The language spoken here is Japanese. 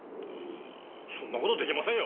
そんな事出来ませんよ！